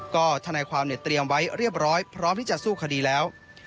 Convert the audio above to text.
ก็ทนายความเนี่ยเตรียมไว้เรียบร้อยพร้อมที่จะสู้คดีแล้ว